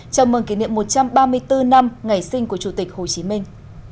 chào mừng kỷ niệm một trăm ba mươi bốn năm ngày sinh của chủ tịch hồ chí minh